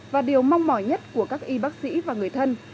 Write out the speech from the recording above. và điều mong mỏi nhất của các y bác sĩ và người thân